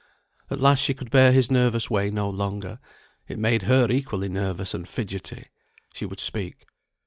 At last she could bear his nervous way no longer, it made her equally nervous and fidgetty. She would speak.